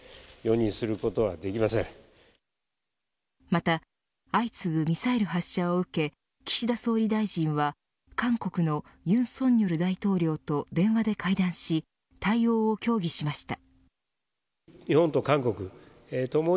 また相次ぐミサイル発射を受け岸田総理大臣は韓国の尹大統領と電話で会談し対応を協議しました。